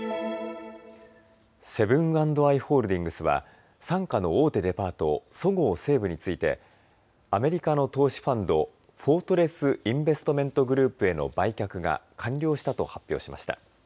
セブン＆アイ・ホールディングスは傘下の大手デパート、そごう・西武についてアメリカの投資ファンド、フォートレス・インベストメント・グループへの売却が完了したと発表しました。